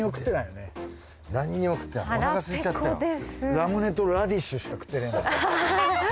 ラムネとラディッシュしか食ってねえ。